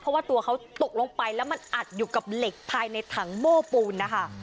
เพราะว่าตัวเขาตกลงไปแล้วมันอัดอยู่กับเหล็กภายในถังโบ้ปูนนะคะ